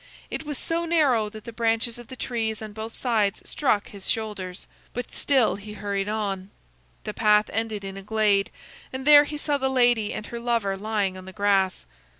It was so narrow that the branches of the trees on both sides struck his shoulders, but still he hurried on. The path ended in a glade, and there he saw the lady and her lover lying on the grass.